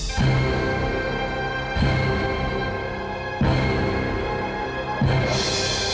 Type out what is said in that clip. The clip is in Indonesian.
kemana b hyun branch